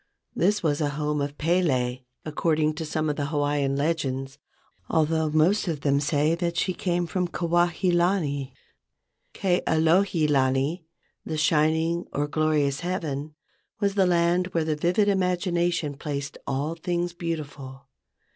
This was a home of 262 DESCRIPTION Pele according to some of the Hawaiian legends, although most of them say that she came from Kuai he lani. Ke alohi lani (the shining or glorious heaven) was the land where the vivid imagination placed all things beautiful.